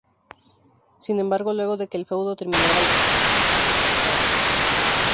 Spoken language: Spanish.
Sin embargo, luego de que el feudo terminara la correa dejó de ser usada.